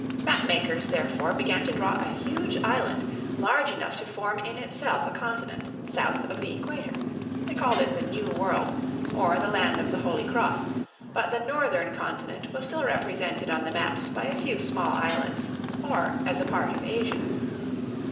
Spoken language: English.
Map makers, therefore, began to draw a huge island, large enough to form in itself a continent, south of the Equator. They called it the New World, or the land of the Holy Cross, but the Northern Continent was still represented on the maps by a few small islands, or as a part of Asia.